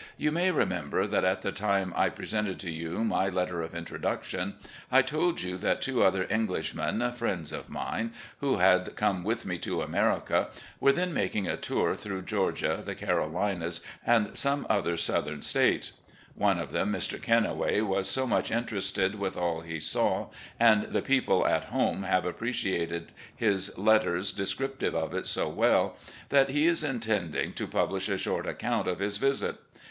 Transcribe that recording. You may remember that, at the time I presented to you my letter of introduction, I told you that two other Englishmen, friends of mine, who had come with me to America, were then making a tour through Georgia, the Carolinas, and some other Southern States. One of them, Mr. Kennaway, was so much interested with all he saw, and the people at home have appreciated his letters descriptive of it so well, that he is intending to publish a short account of his visit.